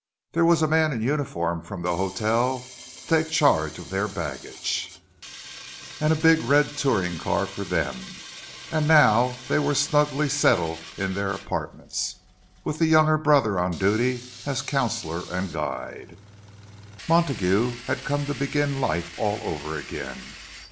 There was a man in uniform from the hotel to take charge of their baggage, and a big red touring car for them; and now they were snugly settled in their apartments, with the younger brother on duty as counsellor and guide. Montague had come to begin life all over again.